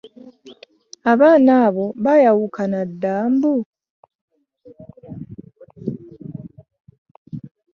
Abaana abo baayawukana dda mbu?